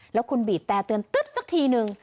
แล้วคุณบีบแต่เตือนตึ๊บสักทีนึง